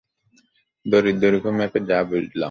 দড়ির দৈর্ঘ্য মেপে যা বুঝলাম!